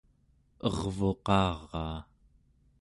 ervuqaraa